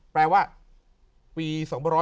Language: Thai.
แปลว่าปี๒๕๖๒